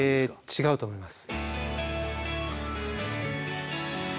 違うと思います。